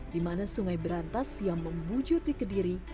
di mana sungai berantas yang membujur di kediri